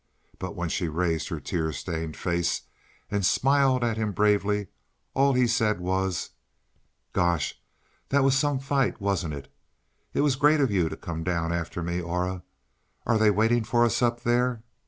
But when she raised her tear stained face and smiled at him bravely, all he said was: "Gosh, that was some fight, wasn't it? It was great of you to come down after me, Aura. Are they waiting for us up there?"